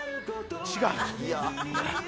違う。